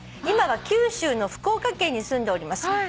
「今は九州の福岡県に住んでおります」